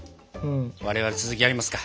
我々続きやりますか。